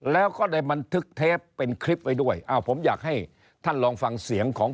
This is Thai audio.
แล้วก็ได้บันทึกเทปเป็นคลิปไว้ด้วยอ้าวผมอยากให้ท่านลองฟังเสียงของ